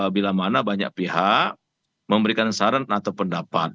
bila mana banyak pihak memberikan saran atau pendapat